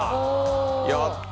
やった！